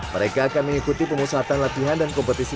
mereka akan mengikuti pemusatan latihan dan kompetisi